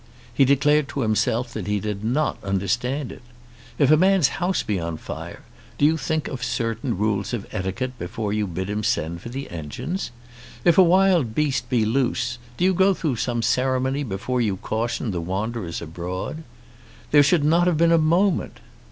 He declared to himself that he did not understand it. If a man's house be on fire, do you think of certain rules of etiquette before you bid him send for the engines? If a wild beast be loose, do you go through some ceremony before you caution the wanderers abroad? There should not have been a moment!